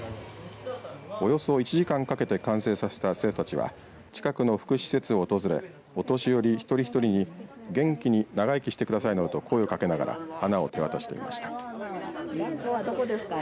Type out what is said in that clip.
およそ１時間かけて完成させた生徒たちは近くの福祉施設を訪れお年寄り一人一人に元気に長生きしてくださいなどと声をかけながら花を手渡していました。